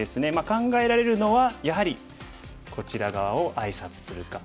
考えられるのはやはりこちら側をあいさつするか。